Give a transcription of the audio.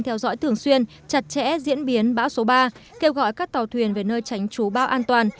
theo dõi thường xuyên chặt chẽ diễn biến bão số ba kêu gọi các tàu thuyền về nơi tránh trú bão an toàn